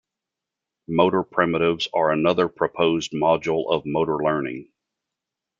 Motor primitives are another proposed module of motor learning.